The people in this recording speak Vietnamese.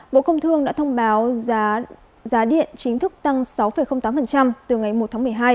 bộ công thương đã thông báo giá điện chính thức tăng sáu tám từ ngày một tháng một mươi hai